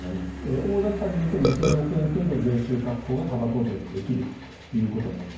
大ざっぱに言うと２００億円程度財源確保がたばこ税でできるということになります。